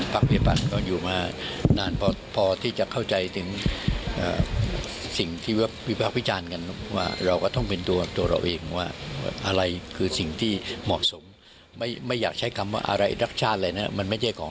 ภักษ์เขาต้องเป็นตัวของตัวเอง